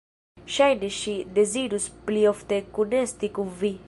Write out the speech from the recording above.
Ŝajne ŝi dezirus pli ofte kunesti kun Vi!